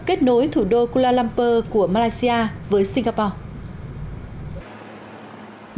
kết nối thủ đô kuala lumpur của malaysia với singapore